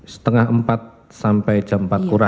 setengah empat sampai jam empat kurang